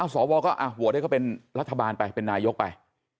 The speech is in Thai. สวก็โหวตให้เขาเป็นรัฐบาลไปเป็นนายกไป